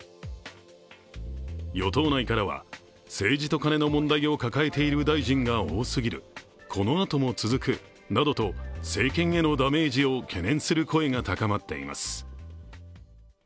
与党内からは、政治とカネの問題を抱えている大臣が多過ぎる、このあとも続くなどと政権へのダメージを懸念する声が高まっています。